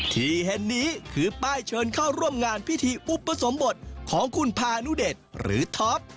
ที่เห็นนี้คือป้ายเชิญเข้าร่วมงานพิธีอุปสมบทของคุณพานุเดชหรือท็อป